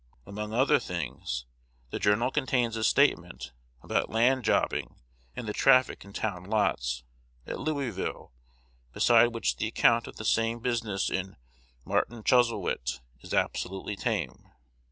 Among other things, the journal contains a statement about land jobbing and the traffic in town lots, at Louisville, beside which the account of the same business in "Martin Chuzzlewit" is absolutely tame.